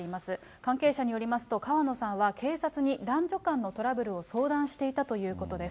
関係者によりますと、川野さんは警察に、男女間のトラブルを相談していたということです。